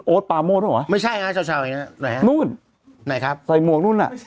โอ๊ดปาโมดหรอไม่ใช่ฮะชาวอย่างเนี้ยไหนครับนู่นไหนครับใส่หมวกนู่นน่ะ